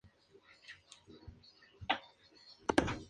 Varios líderes nazis denunciaron al star system como una invención judía.